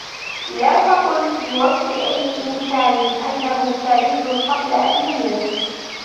لا تقل في وصف أي إنسان أنه سعيد قبل أن يموت.